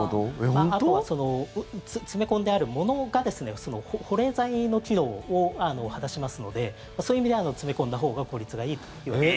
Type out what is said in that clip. あとは詰め込んであるものが保冷剤の機能を果たしますのでそういう意味で詰め込んだほうが効率がいいといわれています。